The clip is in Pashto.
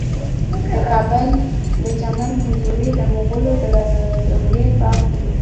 د کابل د چمن حضوري د مغلو دورې باغ دی